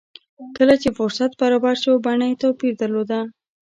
کله چې فرصت برابر شو بڼه يې توپير درلود.